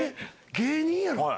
芸人やろ。